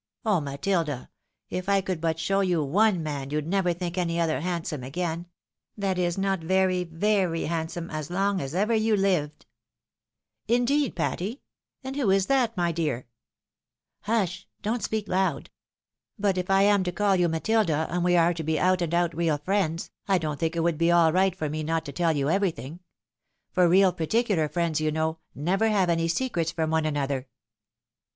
Oh, Matilda ! if I could but show you one man, you'd never think any other handsome again — ^that is, not very, very handsome, as long as ever you hved." " Indeed, Patty ! and who is that, my dear ?" 140 THE WIDOW MAEEIED. " Hush! Don't speak loud? But if I am to call you Matilda, and we are to be out and out real friends, I don't think it would be at all right for me not to tell you everything. For real particular friends, you know, never have any secrets from one another."